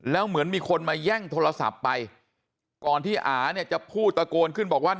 แล้วเหมือนมีคนมาแย่งโทรศัพท์ไปก่อนที่อาเนี่ยจะพูดตะโกนขึ้นบอกว่า